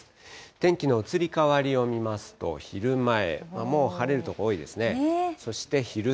天気の移り変わりを見ますと、昼前、もう晴れる所、多いですね。